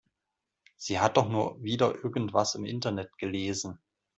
Sie hat doch nur wieder irgendwas im Internet gelesen.